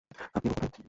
আপনি এখন কোথায়?